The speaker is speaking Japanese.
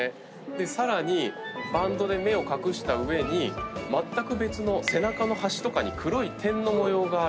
さらにバンドで目を隠した上にまったく別の背中の端とかに黒い点の模様がある子もいますね。